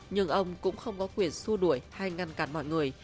nhưng ông cũng không có quyền xua đuổi hay ngăn cản mọi người